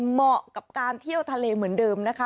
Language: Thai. เหมาะกับการเที่ยวทะเลเหมือนเดิมนะคะ